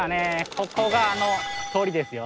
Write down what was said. ここが通りですよ。